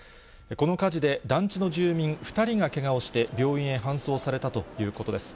この火事で、団地の住民２人がけがをして病院へ搬送されたということです。